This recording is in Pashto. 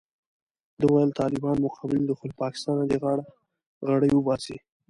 ده ویل طالبان مو قبول دي خو له پاکستانه دې غاړه غړۍ وباسي.